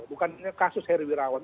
bukannya kasus harry wirawan